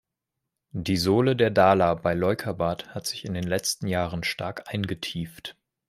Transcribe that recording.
Die Sohle der Dala bei Leukerbad hat sich in den letzten Jahren stark eingetieft.